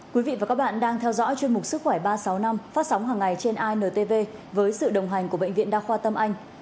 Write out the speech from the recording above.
quý vị và các bạn đang theo dõi chương mục sức khỏe ba sáu năm phát sóng hằng ngày trên intv với sự đồng hành của bệnh viện đa khoa tâm anh